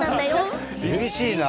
厳しいな。